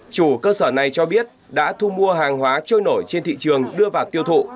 chủ cơ sở này cho biết đã thu mua hàng hóa trôi nổi trên thị trường đưa vào tiêu thụ